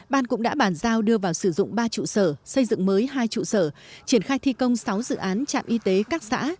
ban cũng đã bàn giao đưa vào sử dụng ba trụ sở xây dựng mới hai trụ sở triển khai thi công sáu dự án trạm y tế các xã